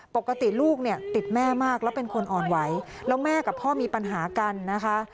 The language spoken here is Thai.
ปกติลูกเนี่ยติดแม่มากแล้วเป็นคนอ่อนไหวแล้วแม่กับพ่อมีปัญหากันนะคะ